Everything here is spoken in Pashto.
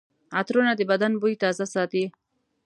عطرونه د بدن بوی تازه ساتي.